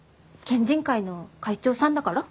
県人会の会長さんだから？